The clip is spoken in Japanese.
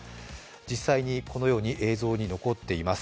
実際に、このように映像に残っています。